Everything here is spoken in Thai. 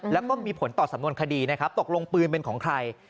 แล้วก็มีผลต่อสำนวนคดีนะครับตกลงปืนเป็นของใคร